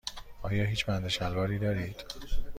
آیا هیچ بند شلواری دارید؟